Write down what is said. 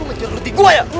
lu ngejar roti gue ya